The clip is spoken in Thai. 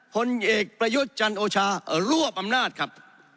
ผลเอกประยุทธ์จันโอชารวบอำนาจครับ